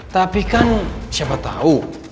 tapi kan siapa tau